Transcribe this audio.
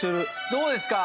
どうですか？